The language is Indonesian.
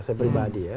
saya pribadi ya